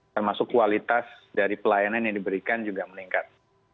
termasuk kualitas dari pelayanan yang diberikan juga meningkat